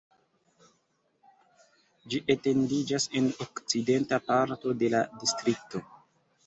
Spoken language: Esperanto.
Ĝi etendiĝas en okcidenta parto de la distrikto.